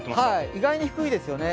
意外に低いですよね。